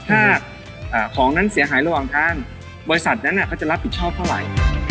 ถ้าของนั้นเสียหายระหว่างทางบริษัทนั้นเขาจะรับผิดชอบเท่าไหร่